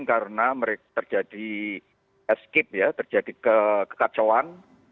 karena mereka terjadi escape ya terjadi kekacauan